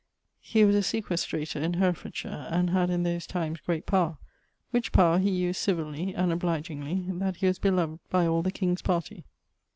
He was a sequestrator, in Herefordshire, and had, in those times, great power, which power he used civilly and obligeingly, that he was beloved by all the King's party.